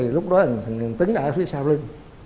thì lúc đó thằng tứng ở phía sau lưng